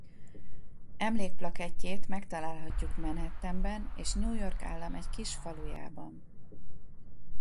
Emlékplakettjét megtalálhatjuk Manhattanben és New York Állam egy kis falujában.